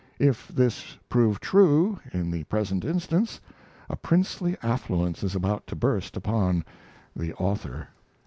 If this prove true in the present instance, a princely affluence is about to burst upon THE AUTHOR.